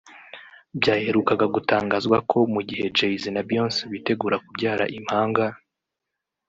Byaherukaga gutangazwa ko mu gihe Jay Z na Beyonce bitegura kubyara impanga